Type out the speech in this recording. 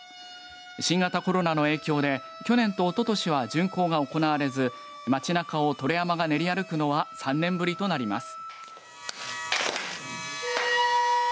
新型コロナの影響で去年とおととしは巡行が行われず街なかを燈籠山が練り歩くのは３年ぶりとなります。